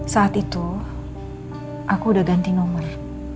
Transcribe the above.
saat itu aku udah ganti nomor